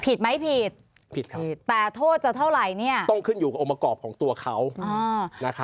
ผิดไหมผิดผิดแต่โทษจะเท่าไหร่ต้องขึ้นอยู่กับองค์ประกอบของตัวเขา